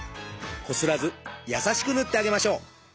こすらず優しく塗ってあげましょう。